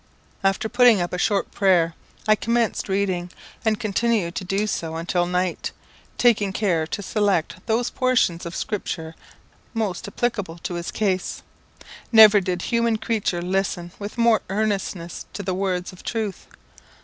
After putting up a short prayer I commenced reading, and continued to do so until night, taking care to select those portions of Scripture most applicable to his case. Never did human creature listen with more earnestness to the words of truth.